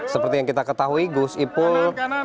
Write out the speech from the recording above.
seperti yang kita ketahui gus ipul